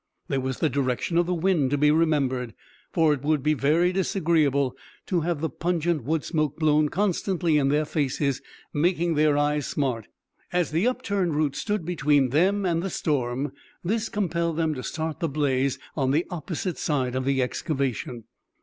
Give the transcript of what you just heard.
There was the direction of the wind to be remembered, for it would be very disagreeable to have the pungent wood smoke blown constantly in their faces, making their eyes smart. As the upturned roots stood between them and the storm, this compelled them to start the blaze on the opposite side of the excavation.